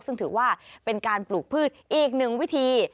ซึ่งถือว่าเป็นการปลูกพืชอีกหนึ่งวิธี